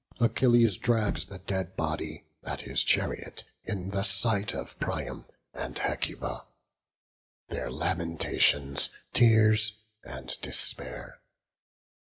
Achilles drags the dead body at his chariot, in the sight of Priam and Hecuba. Their lamentations, tears, and despair.